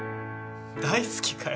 大好きかよ。